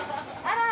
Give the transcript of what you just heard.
あら。